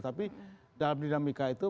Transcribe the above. tapi dalam dinamika itu